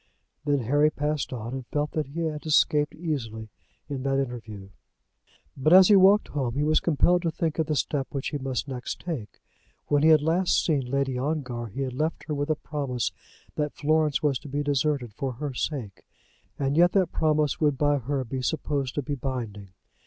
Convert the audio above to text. Then Harry passed on, and felt that he had escaped easily in that interview. But as he walked home he was compelled to think of the step which he must next take. When he had last seen Lady Ongar he had left her with a promise that Florence was to be deserted for her sake. As yet that promise would by her be supposed to be binding.